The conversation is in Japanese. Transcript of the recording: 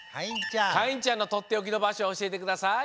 かいんちゃんのとっておきのばしょおしえてください。